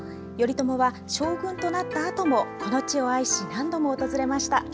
頼朝は将軍となったあともこの地を愛し、何度も訪れました。